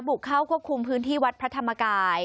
บุกเข้าควบคุมพื้นที่วัดพระธรรมกาย